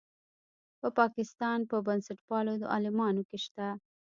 په پاکستان په بنسټپالو عالمانو کې شته.